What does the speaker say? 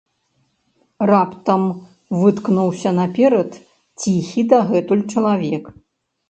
Раптам выткнуўся наперад ціхі дагэтуль чалавек.